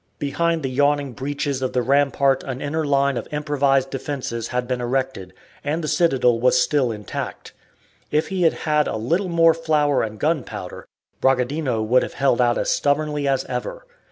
Behind the yawning breaches of the rampart an inner line of improvised defences had been erected, and the citadel was still intact. If he had had a little more flour and gunpowder, Bragadino would have held out as stubbornly as ever.